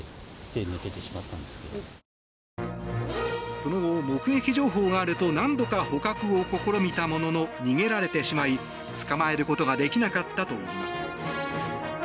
その後、目撃情報があると何度か捕獲を試みたものの逃げられてしまい捕まえることができなかったといいます。